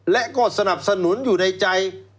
และก็สนับสนุนอยู่ในใจ